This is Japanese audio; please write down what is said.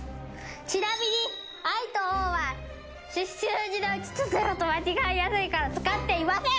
ちなみに「Ｉ」と「Ｏ」は数字の「１」と「０」と間違えやすいから使っていません！